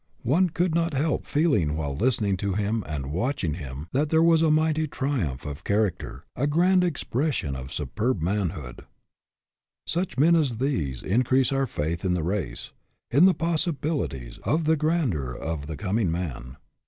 One could not help feeling while listening to him and watching him that there was a mighty triumph of char 142 STAND FOR SOMETHING acter, a grand expression of superb manhood. Such men as these increase our faith in the race ; in the possibilities of the grandeur of the coming man.